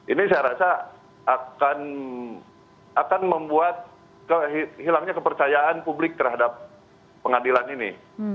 ini saya rasa akan membuat hilangnya kepercayaan publik terhadap pengadilan ini